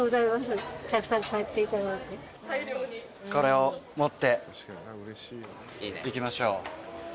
これを持って行きましょう。